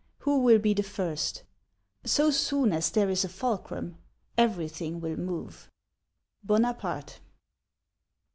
"Who will be the first ? So soon as there is a fulcrum, everything will move. — BONAPARTE.